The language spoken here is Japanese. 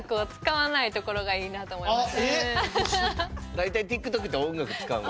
大体ＴｉｋＴｏｋって音楽使うんや。